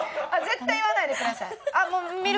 絶対言わないでください。